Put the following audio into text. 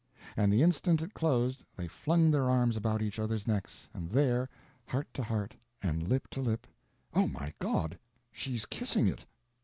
And the instant it closed they flung their arms about each other's necks, and there, heart to heart and lip to lip— "Oh, my God, she's kissing it!"